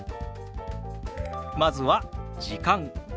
まずは「時間」。